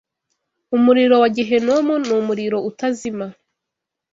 Umuriro wa Gehinomu ni umuriro utazima